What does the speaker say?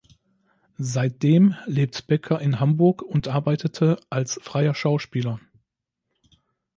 Seitdem lebt Becker in Hamburg und arbeitete als freier Schauspieler.